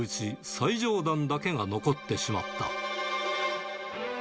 ３段のうち最上段だけが残ってしまった。